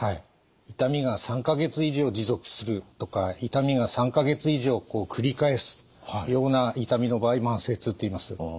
痛みが３か月以上持続するとか痛みが３か月以上繰り返すような痛みの場合慢性痛といいます。